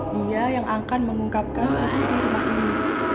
dia yang akan mengungkapkan kesalahan rumah ini